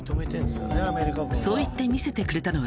そういって見せてくれたのは